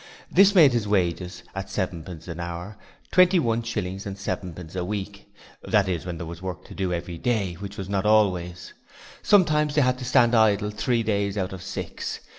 This made his wages at sevenpence an hour twenty one shillings and sevenpence a week that is, when there was work to do every day, which was not always. Sometimes they had to stand idle three days out of six.